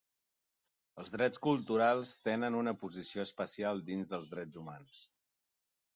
Els drets culturals tenen una posició especial dins dels drets humans.